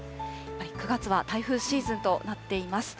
９月は台風シーズンとなっています。